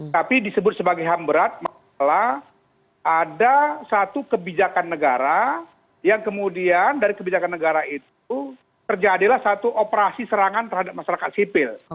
tapi disebut sebagai ham berat masalah ada satu kebijakan negara yang kemudian dari kebijakan negara itu terjadilah satu operasi serangan terhadap masyarakat sipil